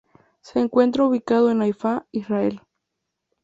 Se encuentra ubicado en Haifa, Israel.